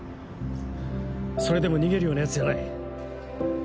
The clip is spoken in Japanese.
それでも逃げるようなヤツじゃない。